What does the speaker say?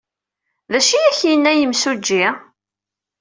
D acu ay ak-yenna yemsujji?